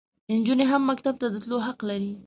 انجونې هم مکتب ته د تللو حق لري.